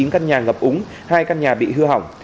chín căn nhà ngập úng hai căn nhà bị hư hỏng